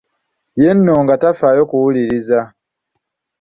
Ye nno nga tafaayo kuwuliriza